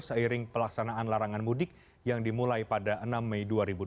seiring pelaksanaan larangan mudik yang dimulai pada enam mei dua ribu dua puluh